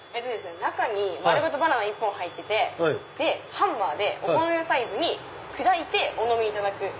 中に丸ごとバナナ１本入っててハンマーでお好みのサイズに砕いてお飲みいただく。